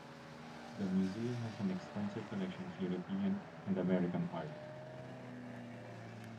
The museum has an extensive collection of European and American art.